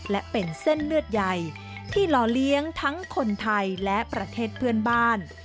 และเป็นเส้นเลือดใหญ่ที่หล่อเลี้ยงทั้งคนไทยและประเทศเพื่อนบ้าน